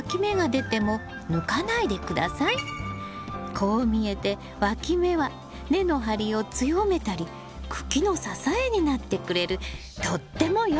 こう見えてわき芽は根の張りを強めたり茎の支えになってくれるとってもよい子なんです。